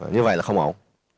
như vậy là không ổn